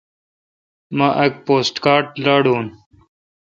مہ اک پوسٹ کارڈ لاڈون۔